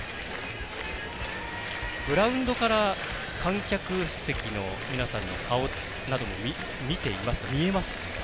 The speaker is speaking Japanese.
グラウンドから観客席の皆さんの顔なども見えますか？